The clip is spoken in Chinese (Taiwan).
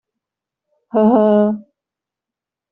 呵呵！